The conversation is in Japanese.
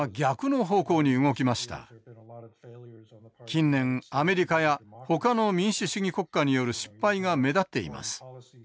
近年アメリカやほかの民主主義国家による失敗が目立っています。